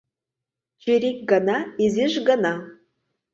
Чирик гына — изиш гына.